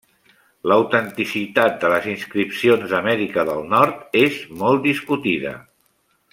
L'autenticitat de les inscripcions d'Amèrica del Nord és molt discutida.